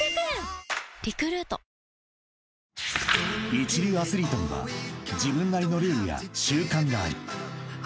［一流アスリートには自分なりのルールや習慣がある］